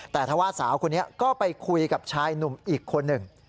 แต่ถ้าว่าสาวคนนี้ก็ไปคุยกับชายหนุ่มอีกคนหนึ่ง